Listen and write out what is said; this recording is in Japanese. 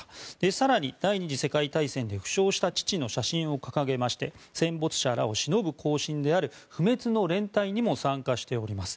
更に第２次世界大戦で負傷した父の写真を掲げまして戦没者らをしのぶ行進である不滅の連隊にも参加しております。